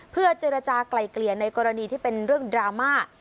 เพื่อเจรจากลายเกลี่ยในกรณีที่เป็นเรื่องดราม่า